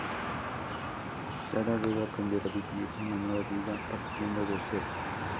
Sara debe aprender a vivir una nueva vida partiendo de cero.